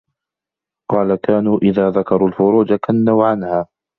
قَالَ كَانُوا إذَا ذَكَرُوا الْفُرُوجَ كَنَّوْا عَنْهَا